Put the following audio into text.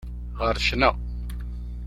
Ɣer ccna.